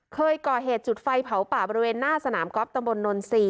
เคยก่อเหตุจุดไฟเผาป่าบริเวณหน้าสนามก๊อฟตำบลนนทรีย์